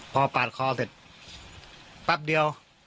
พอปาดคอเสร็จแป๊บเดียว